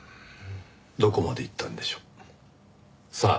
どこまで行ったんでしょう？さあ。